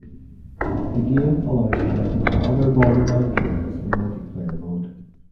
The game allows connecting to other Bomberman games in multiplayer mode.